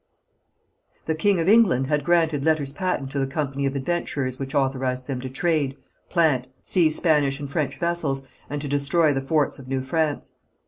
The king of England had granted letters patent to the Company of Adventurers which authorized them to trade, plant, seize Spanish and French vessels, and to destroy the forts of New France.